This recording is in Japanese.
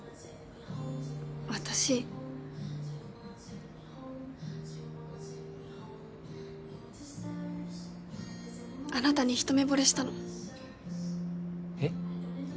私あなたに一目ぼれしたのえっ？